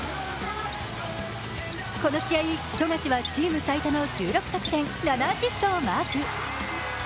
この試合、富樫はチーム最多の１６得点、７アシストをマーク。